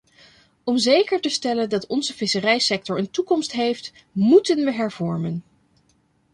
Om zeker te stellen dat onze visserijsector een toekomst heeft, moeten we hervormen.